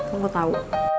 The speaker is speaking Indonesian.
lo mau tau